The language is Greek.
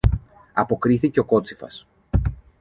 αποκρίθηκε ο κότσυφας.